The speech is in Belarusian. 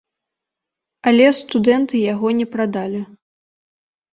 Але студэнты яго не прадалі.